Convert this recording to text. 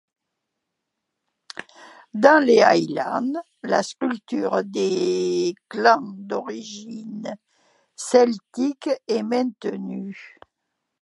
Dans les Highlands, la structure des clans d'origine celtique est maintenue.